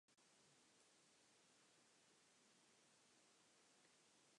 Species of "Coleonyx" are found in the southwestern United States, Mexico, and Central America.